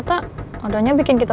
ntar gue kembali aja ya